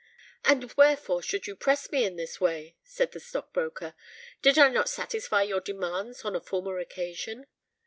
"But wherefore should you press me in this way?" said the stock broker. "Did I not satisfy your demands on a former occasion?"